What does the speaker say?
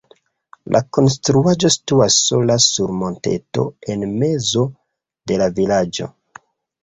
La konstruaĵo situas sola sur monteto en mezo de la vilaĝo.